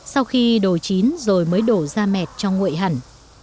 sau khi đổ chín rồi mới đổ ra mẹt cho nguội hẳn